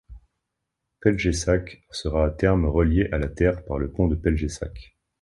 Pelješac sera à terme reliée à la terre par le pont de Pelješac.